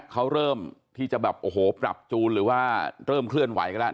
เขาเริ่มที่จะแบบโอ้โหปรับจูนหรือว่าเริ่มเคลื่อนไหวกันแล้ว